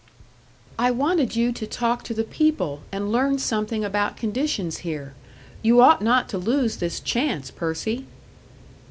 "I wanted you to talk to the people and learn something about conditions here. You ought not to lose this chance, Percy!"